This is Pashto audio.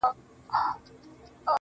راكيټونو دي پر ما باندي را اوري.